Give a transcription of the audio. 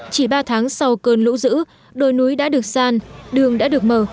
chỉ ba tháng sau cơn lũ dữ đồi núi đã được san đường đã được mở